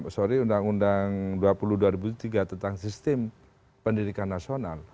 sorry undang undang dua puluh dua ribu tiga tentang sistem pendidikan nasional